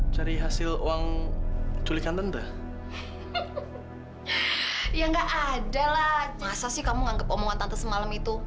cari hasil uang julikan tenta ya nggak adalah masa sih kamu nganggep omongan tante semalam itu